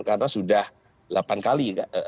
karena sudah delapan kali